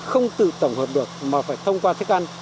không tự tổng hợp được mà phải thông qua thức ăn